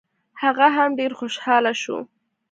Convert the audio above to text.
هغه هم ډېر خوشحاله شو.